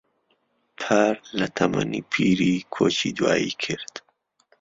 پار لە تەمەنی پیری کۆچی دوایی کرد.